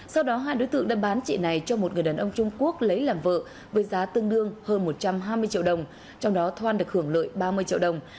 sau đó hai đối tượng đã bán chị này cho một người đàn ông trung quốc lấy làm vợ với giá tương đương hơn một trăm hai mươi triệu đồng trong đó thoan được hưởng lợi ba mươi triệu đồng